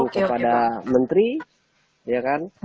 kepada menteri ya kan